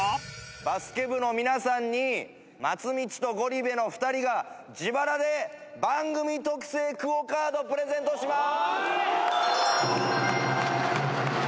バスケ部の皆さんに松道とゴリ部の２人が自腹で番組特製ＱＵＯカードプレゼントします！